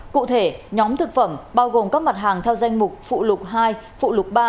cụ thể nhóm thực phẩm bao gồm các mặt hàng theo danh mục phụ lục hai phụ lục ba